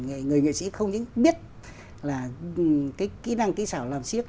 người nghệ sĩ không những biết là cái kỹ năng kỹ xảo làm siết